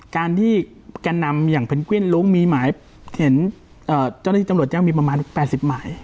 การที่แก่นำอย่างเพนกวิ้นลุ้งมีหมายเห็นเจ้าหน้าที่ตำรวจแจ้งมีประมาณ๘๐หมาย